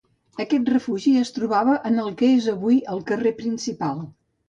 Aquest refugi es trobava en el que és avui el carrer principal.